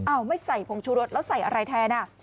ไม่ใส่ผงชูรสแล้วใส่อะไรแทนอ่ะ